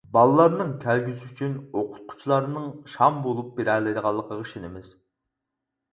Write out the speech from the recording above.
بالىلارنىڭ كەلگۈسى ئۈچۈن ئوقۇتقۇچىلارنىڭ شام بولۇپ بېرەلەيدىغانلىقىغا ئىشىنىمىز.